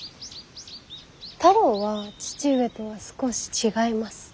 太郎は義父上とは少し違います。